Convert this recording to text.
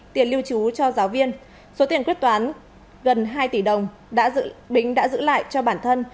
tiền lưu trú cho giáo viên số tiền quyết toán gần hai tỷ đồng đã bính đã giữ lại cho bản thân